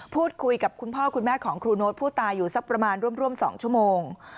พูดคุยกับคุณพ่อคุณแม่ของครูโน๊ตผู้ตายอยู่สักประมาณร่วม๒ชั่วโมง